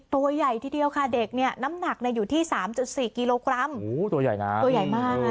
ตัวใหญ่ทีเดียวค่ะเด็กนี่น้ำหนักอยู่ที่๓๔กิโลกรัม